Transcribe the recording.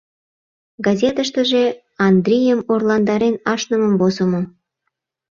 Газетыштыже Андрийым орландарен ашнымым возымо.